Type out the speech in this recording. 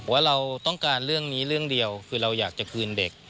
ว่าเราต้องการเรื่องนี้เรื่องเดียวคือเราอยากจะคืนเด็ก